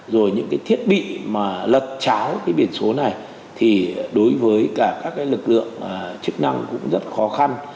rồi những thiết bị lật tráo biển số này thì đối với các lực lượng chức năng cũng rất khó khăn